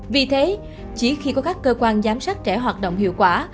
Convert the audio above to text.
vì thế chỉ khi có các cơ quan giám sát trẻ hoạt động hiệu quả